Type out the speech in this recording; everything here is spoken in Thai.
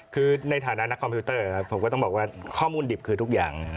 คือในฐานะนักคอมพิวเตอร์ครับผมก็ต้องบอกว่าข้อมูลดิบคือทุกอย่าง